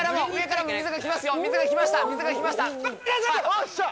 よっしゃ。